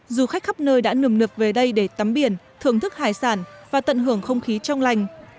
du khách khắp nơi đã nườm nượp về đây để tắm biển thưởng thức hải sản và tận hưởng không khí trong lành